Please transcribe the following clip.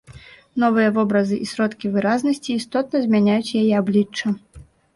Новыя вобразы і сродкі выразнасці істотна змяняюць яе аблічча.